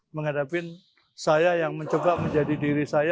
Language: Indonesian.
menghadapin saya yang mencoba menjadi diri saya